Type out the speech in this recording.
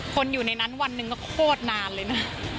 คนอยู่ในนั้นวันหนึ่งก็โคตรนานเลยนะ